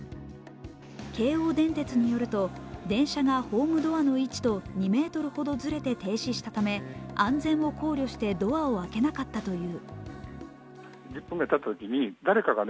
京王電鉄によると、電車がホームドアの位置と２ｍほどずれて停止したため、安全を考慮してドアを開けなかったという。